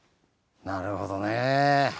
なるほどねえ。